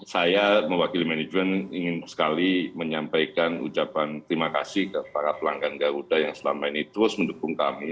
saya mewakili manajemen ingin sekali menyampaikan ucapan terima kasih kepada pelanggan garuda yang selama ini terus mendukung kami